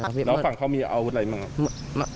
แล้วฝั่งเขามีเอาอะไรบ้างครับ